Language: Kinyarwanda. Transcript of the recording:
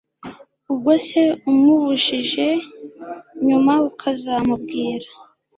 ubwose umubujije nyuma ukazamubwira